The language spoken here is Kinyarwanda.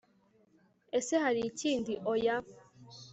ese Hari ikindi Oya